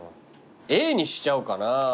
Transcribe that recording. Ａにしちゃおうかな。